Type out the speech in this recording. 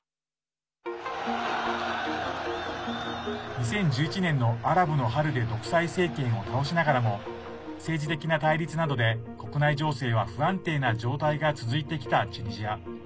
２０１１年のアラブの春で独裁政権を倒しながらも政治的な対立などで、国内情勢は不安定な状態が続いてきたチュニジア。